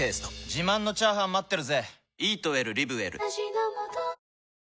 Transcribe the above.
自慢のチャーハン待ってるぜ！